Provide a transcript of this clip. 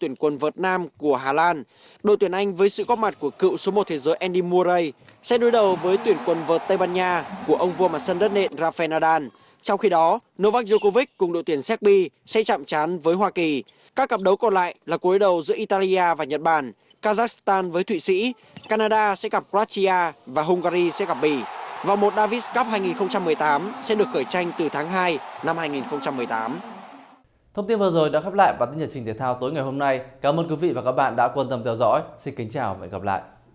thông tin vừa rồi đã khắp lại bản tin nhật trình thể thao tối ngày hôm nay cảm ơn quý vị và các bạn đã quan tâm theo dõi xin kính chào và hẹn gặp lại